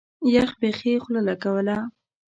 يخ بيخي خوله لګوله.